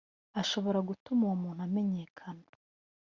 ashobora gutuma uwo muntu amenyekana